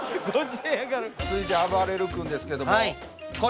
続いてあばれる君ですけども。